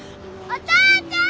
お父ちゃん！